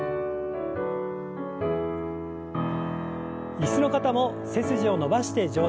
椅子の方も背筋を伸ばして上体を前に。